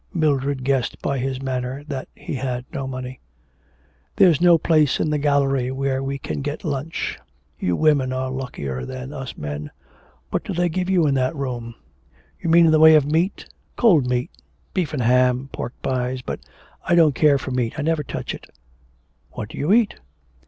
Mildred guessed by his manner that he had no money. 'There's no place in the gallery where we can get lunch you women are luckier than us men. What do they give you in your room?' 'You mean in the way of meat? Cold meat, beef and ham, pork pies. But I don't care for meat, I never touch it.' 'What do you eat?'